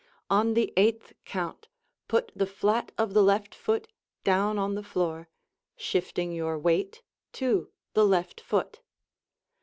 On the eighth count put the flat of the left foot down on the floor, shifting your weight to the left foot.